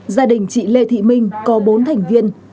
gia đình chị lê thị minh có bốn thành viên